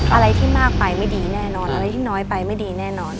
อะไรที่มากไปไม่ดีแน่นอนอะไรที่น้อยไปไม่ดีแน่นอน